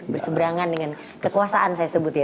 berseberangan dengan kekuasaan saya sebut ya